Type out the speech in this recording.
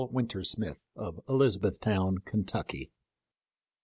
Wintersmith, of Elizabethtown, Kentucky.